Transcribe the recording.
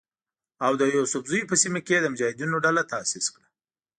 او د یوسفزیو په سیمه کې یې د مجاهدینو ډله تاسیس کړه.